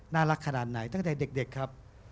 น่ารักขนาดไหนตั้งแต่เด็กครับ